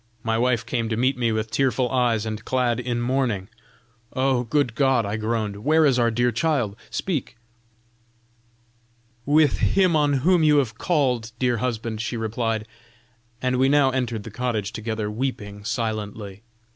My wife came to meet me with tearful eyes and clad in mourning. 'Oh! Good God!' I groaned, 'where is our dear child? speak!' 'With him on whom you have called, dear husband,' she replied; and we now entered the cottage together weeping silently.